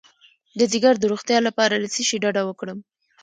د ځیګر د روغتیا لپاره له څه شي ډډه وکړم؟